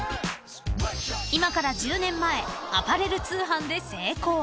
［今から１０年前アパレル通販で成功］